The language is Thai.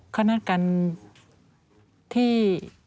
เขานัดกันที่